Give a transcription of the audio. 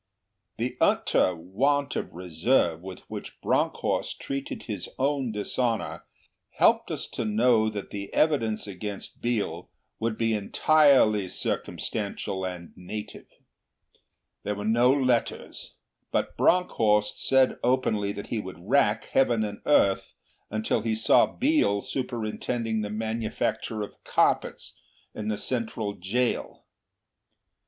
The utter want of reserve with which Bronckhorst treated his own dishonour helped us to know that the evidence against Biel would be entirely circumstantial and native. There were no letters; but Bronckhorst said openly that he would rack Heaven and Earth until he saw Biel superintending the manufacture of carpets in the Central Jail.